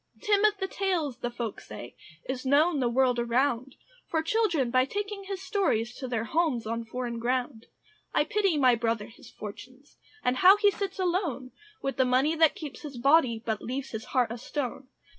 Tim of the Tales, the folk say, Is known the world around, For children by taking his stories To their homes in foreign ground. I pity my brother his fortunes, And how he sits alone, With the money that keeps his body, But leaves his heart a stone.